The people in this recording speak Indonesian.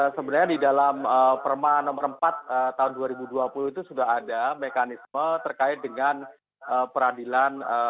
sebenarnya di dalam perma nomor empat tahun dua ribu dua puluh itu sudah ada mekanisme terkait dengan peradilan